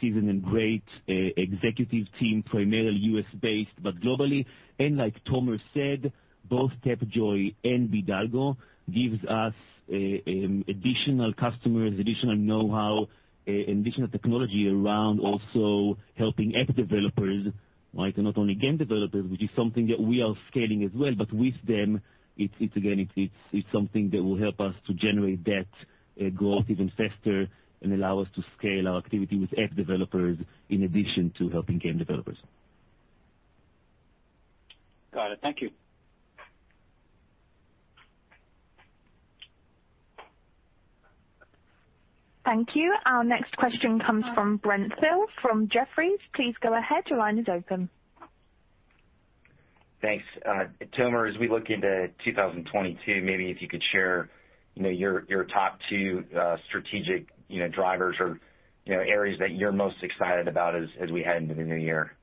seasoned and great executive team, primarily U.S.-based, but globally. Like Tomer said, both Tapjoy and Bidalgo gives us additional customers, additional know-how, and additional technology around also helping app developers, right? Not only game developers, which is something that we are scaling as well, but with them, it's again something that will help us to generate that growth even faster and allow us to scale our activity with app developers in addition to helping game developers. Got it. Thank you. Thank you. Our next question comes from Brent Thill from Jefferies. Please go ahead. Your line is open. Thanks. Tomer, as we look into 2022, maybe if you could share, you know, your top two strategic, you know, drivers or, you know, areas that you're most excited about as we head into the new year.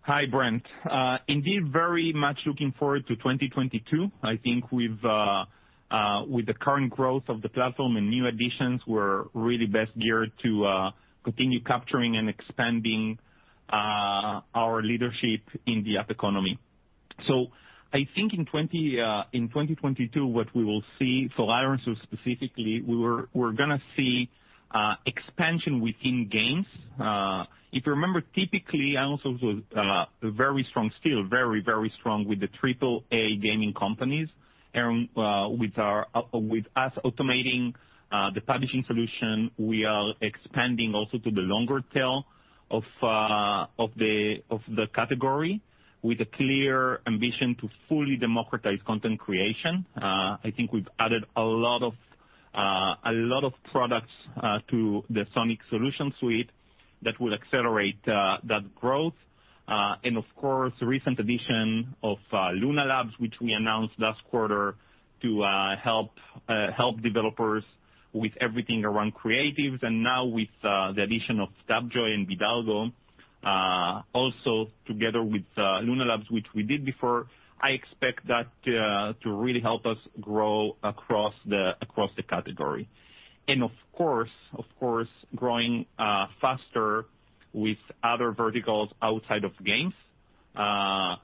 Hi, Brent. Indeed, very much looking forward to 2022. I think with the current growth of the platform and new additions, we're really best geared to continue capturing and expanding our leadership in the app economy. I think in 2022, what we will see for ironSource specifically, we're gonna see expansion within games. If you remember, typically ironSource was still very strong with the triple-A gaming companies. With us automating the publishing solution, we are expanding also to the longer tail of the category with a clear ambition to fully democratize content creation. I think we've added a lot of products to the Sonic solution suite that will accelerate that growth. Of course, recent addition of Luna Labs, which we announced last quarter to help developers with everything around creatives. Now with the addition of Tapjoy and Bidalgo, also together with Luna Labs, which we did before, I expect that to really help us grow across the category. Of course, growing faster with other verticals outside of games. I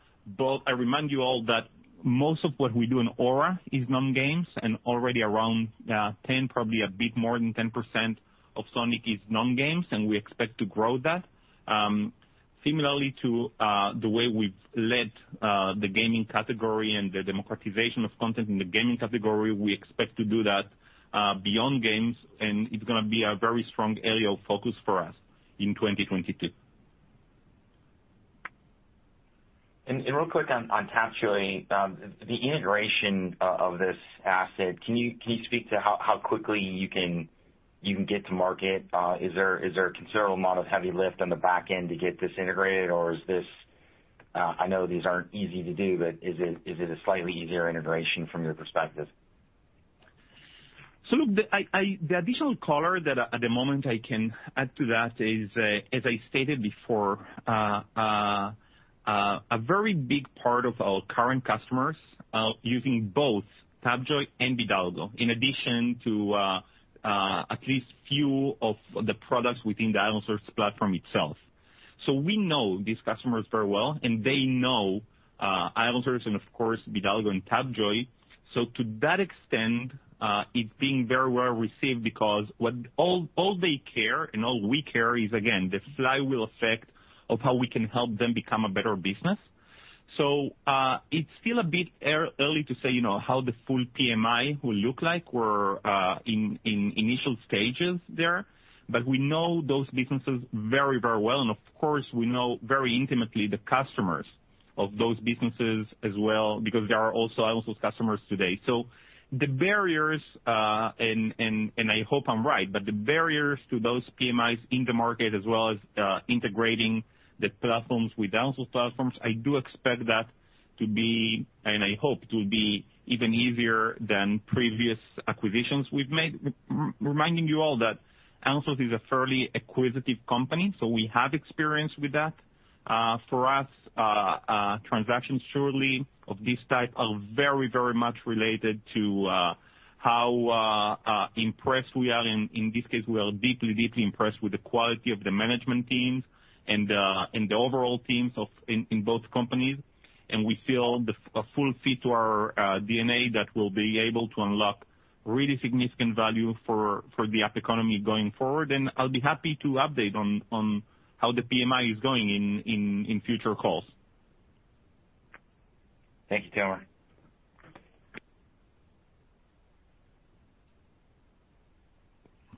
remind you all that most of what we do in Aura is non-games and already around 10%, probably a bit more than 10% of Sonic is non-games, and we expect to grow that. Similarly to the way we've led the gaming category and the democratization of content in the gaming category, we expect to do that beyond games, and it's gonna be a very strong area of focus for us in 2022. Real quick on Tapjoy, the integration of this asset, can you speak to how quickly you can get to market? Is there a considerable amount of heavy lift on the back end to get this integrated, or is this? I know these aren't easy to do, but is it a slightly easier integration from your perspective? Look, the additional color that at the moment I can add to that is, as I stated before, a very big part of our current customers are using both Tapjoy and Bidalgo in addition to at least few of the products within the ironSource platform itself. We know these customers very well, and they know ironSource and of course Bidalgo and Tapjoy. To that extent, it's being very well received because what all they care and all we care is, again, the flywheel effect of how we can help them become a better business. It's still a bit early to say, you know, how the full PMI will look like. We're in initial stages there. We know those businesses very, very well. Of course, we know very intimately the customers of those businesses as well, because they are also ironSource customers today. The barriers, and I hope I'm right, but the barriers to those PMIs in the market as well as integrating the platforms with ironSource platforms, I do expect that to be, and I hope it will be even easier than previous acquisitions we've made. Reminding you all that ironSource is a fairly acquisitive company, so we have experience with that. For us, transactions surely of this type are very, very much related to how impressed we are. In this case, we are deeply impressed with the quality of the management teams and the overall teams of both companies. We feel the a full fit to our DNA that will be able to unlock really significant value for the app economy going forward. I'll be happy to update on how the PMI is going in future calls. Thank you, Tomer.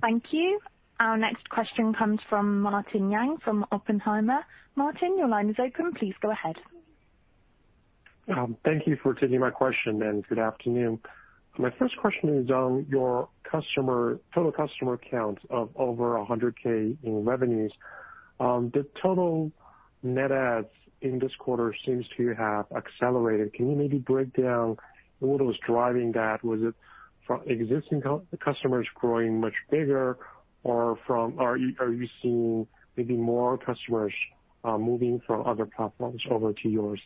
Thank you. Our next question comes from Martin Yang from Oppenheimer & Co. Martin, your line is open. Please go ahead. Thank you for taking my question, and good afternoon. My first question is on your total customer count of over $100,000 in revenues. The total net adds in this quarter seems to have accelerated. Can you maybe break down what was driving that? Was it from existing customers growing much bigger, or are you seeing maybe more customers moving from other platforms over to yours?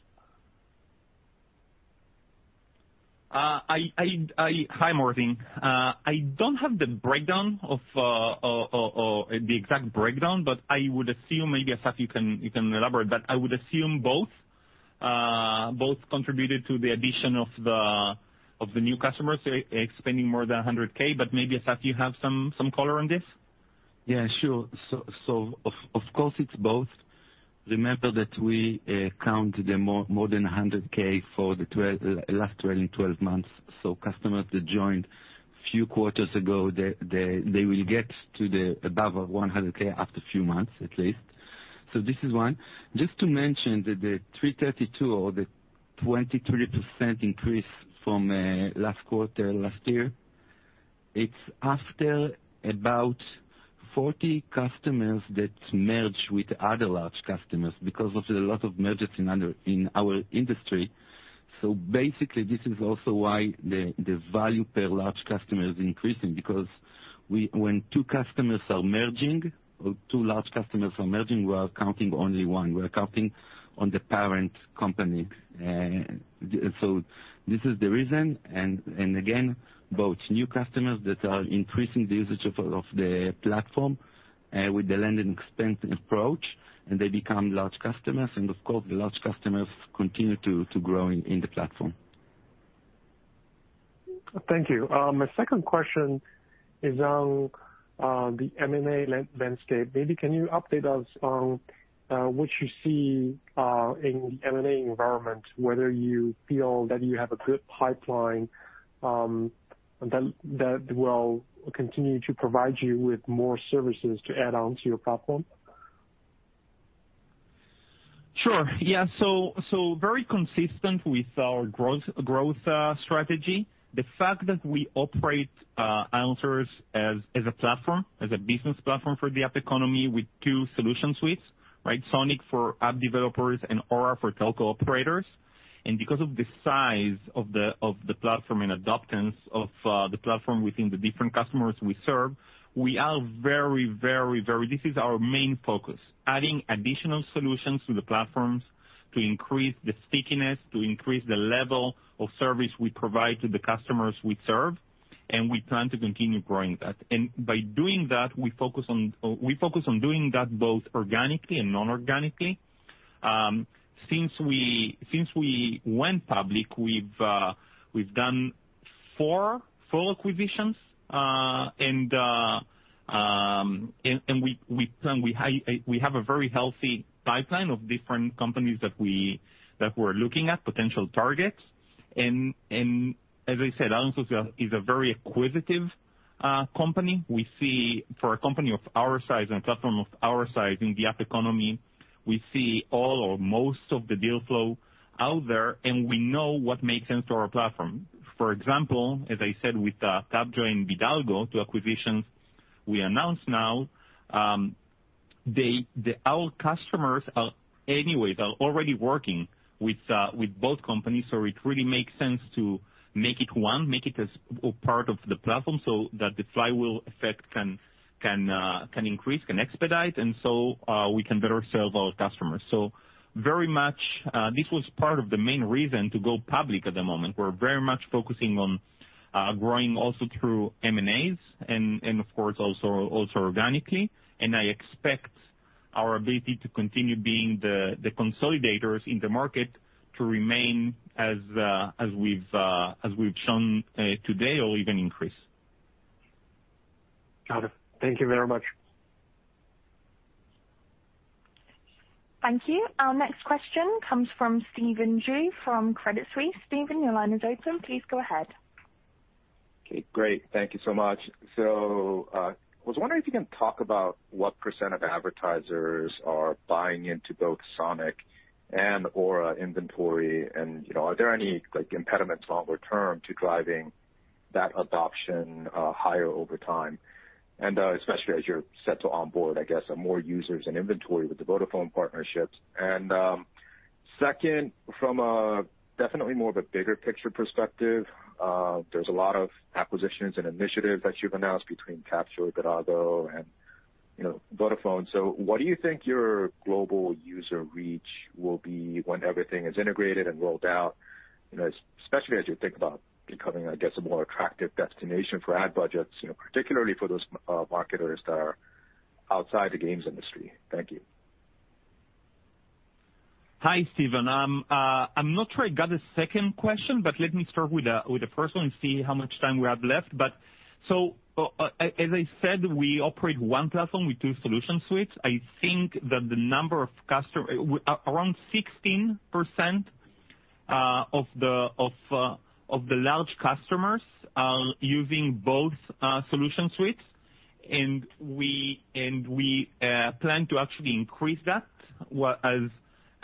Hi, Martin. I don't have the breakdown of the exact breakdown, but I would assume maybe Assaf, you can elaborate. I would assume both. Both contributed to the addition of the new customers spending more than $100,000. Maybe Assaf, you have some color on this. Yeah, sure. Of course, it's both. Remember that we count more than $100,000 for the last trailing twelve months. Customers that joined few quarters ago, they will get to the above $100,000 after a few months at least. This is one. Just to mention that the 332 or the 23% increase from last year, it's after about 40 customers that merge with other large customers because of a lot of mergers in our industry. Basically this is also why the value per large customer is increasing, because when two customers are merging or two large customers are merging, we are counting only one. We're counting on the parent company. This is the reason and again, both new customers that are increasing the usage of the platform with the land and expand approach, and they become large customers. Of course, the large customers continue to grow in the platform. Thank you. My second question is on the M&A landscape. Maybe can you update us on what you see in the M&A environment, whether you feel that you have a good pipeline that will continue to provide you with more services to add on to your platform? Sure. Yeah. Very consistent with our growth strategy. The fact that we operate ironSource as a platform, as a business platform for the app economy with two solution suites, right? Sonic for app developers and Aura for telco operators. Because of the size of the platform and adoption of the platform within the different customers we serve, this is our main focus, adding additional solutions to the platforms to increase the stickiness, to increase the level of service we provide to the customers we serve. We plan to continue growing that. By doing that, we focus on doing that both organically and non-organically. Since we went public, we've done four full acquisitions, and we have a very healthy pipeline of different companies that we're looking at potential targets. As I said, ironSource is a very acquisitive company. We see, for a company of our size and platform of our size in the app economy, we see all or most of the deal flow out there, and we know what makes sense to our platform. For example, as I said, with Tapjoy and Bidalgo, two acquisitions we announced now, our customers are already working with both companies, so it really makes sense to make it one, make it as part of the platform so that the flywheel effect can increase and expedite, and so we can better serve our customers. Very much, this was part of the main reason to go public at the moment. We're very much focusing on growing also through M&As and, of course, organically. I expect our ability to continue being the consolidators in the market to remain as we've shown today or even increase. Got it. Thank you very much. Thank you. Our next question comes from Stephen Ju from Credit Suisse. Stephen, your line is open. Please go ahead. Okay, great. Thank you so much. I was wondering if you can talk about what percent of advertisers are buying into both Sonic and Aura inventory. You know, are there any, like, impediments longer term to driving that adoption higher over time, and especially as you're set to onboard, I guess, more users and inventory with the Vodafone partnerships. Second, from a definitely more of a bigger picture perspective, there's a lot of acquisitions and initiatives that you've announced between Tapjoy, Bidalgo and, you know, Vodafone. What do you think your global user reach will be when everything is integrated and rolled out, you know, especially as you think about becoming, I guess, a more attractive destination for ad budgets, you know, particularly for those marketers that are outside the games industry? Thank you. Hi, Stephen. I'm not sure I got the second question, but let me start with the first one and see how much time we have left. As I said, we operate one platform with two solution suites. I think that the number of large customers are using both solution suites. Around 16% of the large customers are using both solution suites. We plan to actually increase that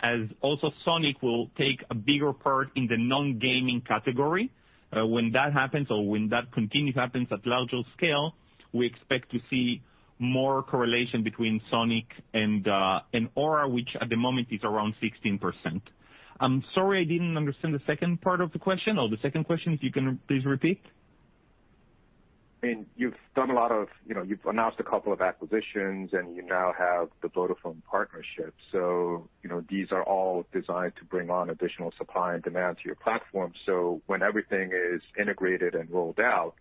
as also Sonic will take a bigger part in the non-gaming category. When that happens or when that continues to happens at larger scale, we expect to see more correlation between Sonic and Aura, which at the moment is around 16%. I'm sorry, I didn't understand the second part of the question or the second question, if you can please repeat. I mean, you know, you've announced a couple of acquisitions, and you now have the Vodafone partnership. You know, these are all designed to bring on additional supply and demand to your platform. When everything is integrated and rolled out,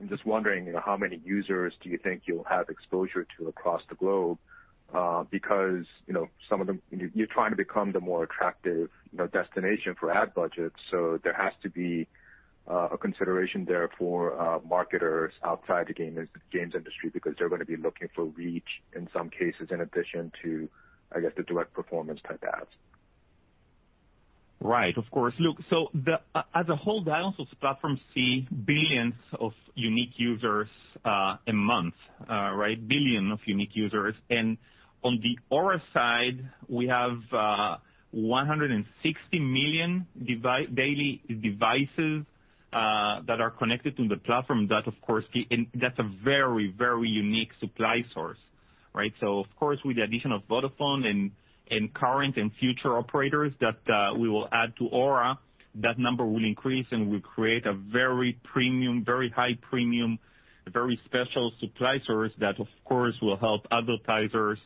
I'm just wondering, you know, how many users do you think you'll have exposure to across the globe? Because, you know, you're trying to become the more attractive, you know, destination for ad budgets, so there has to be a consideration there for marketers outside the games industry, because they're gonna be looking for reach in some cases in addition to, I guess, the direct performance type ads. Right. Of course. Look, the ironSource platform as a whole sees billions of unique users a month, right? On the Aura side, we have 160 million daily devices that are connected to the platform. That, of course, is a very unique supply source, right? Of course, with the addition of Vodafone and current and future operators that we will add to Aura, that number will increase, and we create a very premium, very high premium, very special supply source that, of course, will help advertisers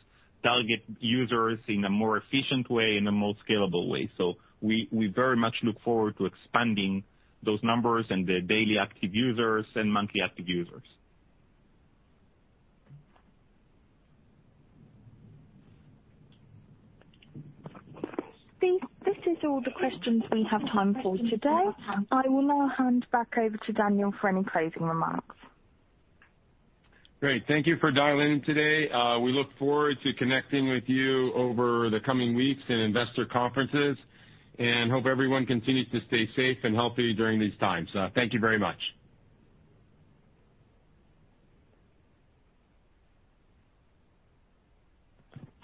target users in a more efficient way, in a more scalable way. We very much look forward to expanding those numbers and the daily active users and monthly active users. This is all the questions we have time for today. I will now hand back over to Daniel for any closing remarks. Great. Thank you for dialing in today. We look forward to connecting with you over the coming weeks in investor conferences. Hope everyone continues to stay safe and healthy during these times. Thank you very much.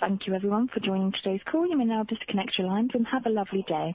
Thank you everyone for joining today's call. You may now disconnect your lines and have a lovely day.